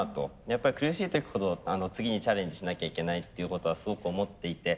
やっぱり苦しい時ほど次にチャレンジしなきゃいけないっていうことはすごく思っていて。